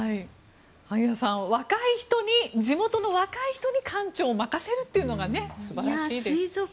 萩谷さん、地元の若い人に館長を任せるというのが素晴らしいですね。